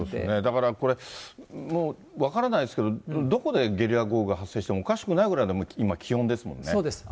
だからこれ、もう分からないですけど、どこでゲリラ豪雨が発生してもおかしくそうです。